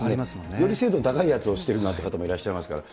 より精度の高いやつをしてるなんている人もいらっしゃいますから。